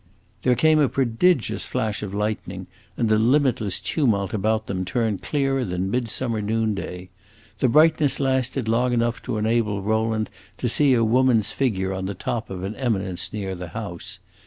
There came a prodigious flash of lightning, and the limitless tumult about them turned clearer than midsummer noonday. The brightness lasted long enough to enable Rowland to see a woman's figure on the top of an eminence near the house.